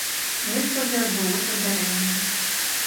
Месца, дзе адбылося здарэнне.